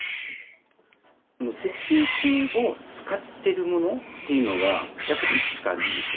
石油系を使ってるものっていうのが、やっぱりいくつかあるんですよ。